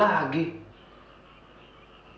kamu sih dari tadi diam saja